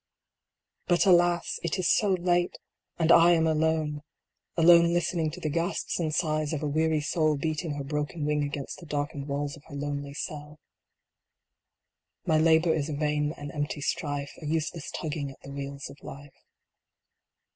But, alas ! it is so late, and I am alone alone listening to the gasps and sighs of a weary soul beating her broken wing against the darkened walls of her lonely celL " My labor is a vain and empty strife, A useless tugging at the wheels of life."